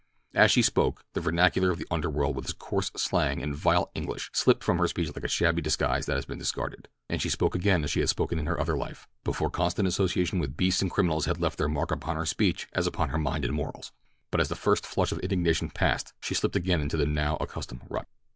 As she spoke, the vernacular of the underworld with its coarse slang and vile English slipped from her speech like a shabby disguise that has been discarded, and she spoke again as she had spoken in her other life, before constant association with beasts and criminals had left their mark upon her speech as upon her mind and morals; but as the first flush of indignation passed she slipped again into the now accustomed rut.